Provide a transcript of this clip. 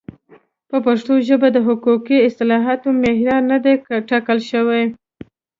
په پښتو ژبه د حقوقي اصطلاحاتو معیار نه دی ټاکل شوی.